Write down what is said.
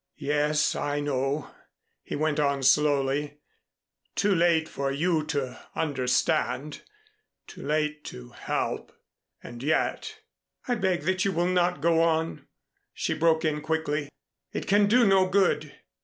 "Yes, I know," he went on slowly. "Too late for you to understand too late to help, and yet " "I beg that you will not go on," she broke in quickly. "It can do no good."